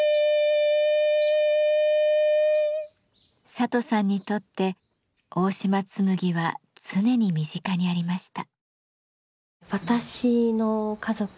里さんにとって大島紬は常に身近にありました。